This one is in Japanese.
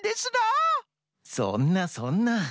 そんなそんな。